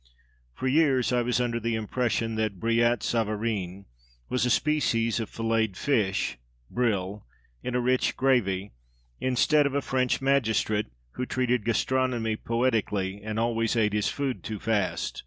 For years I was under the impression that Brillat Savarin was a species of filleted fish (brill) in a rich gravy, instead of a French magistrate, who treated gastronomy poetically, and always ate his food too fast.